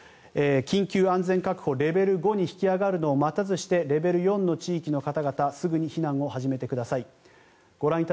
緊急安全確保、レベル５に引き上がるのを待たずしてレベル４の地域の方々すぐに避難を始めてください。